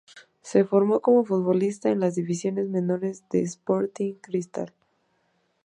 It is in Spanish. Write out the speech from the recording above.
Se formó como futbolista en las divisiones menores de Sporting Cristal.